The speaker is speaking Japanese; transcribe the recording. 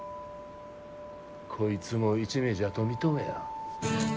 こいつも一味じゃと認めや。